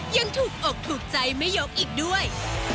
ยังถูกอกถูกใจแม่ยกอีกด้วย